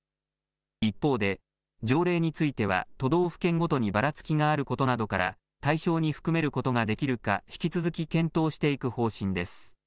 一方で条例については都道府県ごとにばらつきがあることなどから対象に含めることができるか引き続き検討していく方針です。